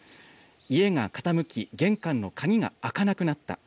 家が傾き、玄関の鍵が開かなくなった。